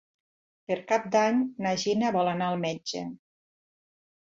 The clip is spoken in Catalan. Per Cap d'Any na Gina vol anar al metge.